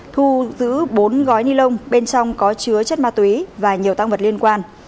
thu giữ bốn gói ni lông bên trong có chứa chất ma túy và nhiều tăng vật liên quan